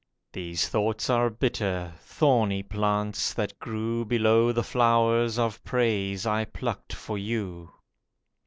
These thoughts are bitter—thorny plants, that grew Below the flowers of praise I plucked for you.